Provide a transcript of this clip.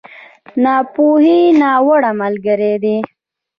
ناپوهي، ناوړه ملګری دی.